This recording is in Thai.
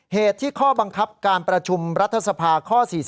เหตุที่ข้อบังคับการประชุมรัฐสภาข้อ๔๔